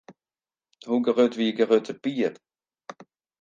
Hoe grut wie Grutte Pier?